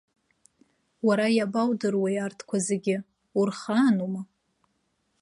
Уара иабоудыруеи арҭқәа зегьы, урхаанума?